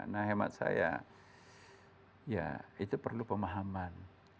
nah hemat saya ya itu perlu pemahaman